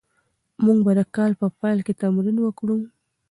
موږ به د کال په پیل کې تمرین وکړو.